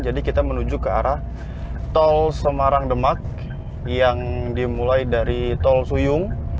jadi kita menuju ke arah tol semarang demak yang dimulai dari tol suyung